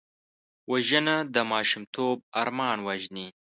وژنه د ماشومتوب ارمان وژني